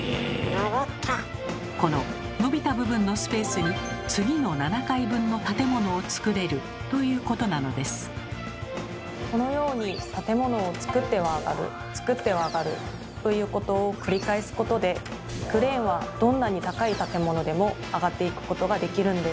この伸びた部分のスペースにこのように建物をつくっては上がるつくっては上がるということを繰り返すことでクレーンはどんなに高い建物でも上がっていくことができるんです。